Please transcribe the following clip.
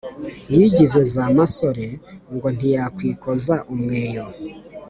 yigize za masore ngo ntiyakwikoza umweyo.